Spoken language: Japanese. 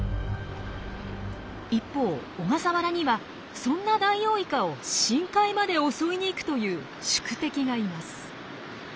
一方小笠原にはそんなダイオウイカを深海まで襲いに行くという宿敵がいます。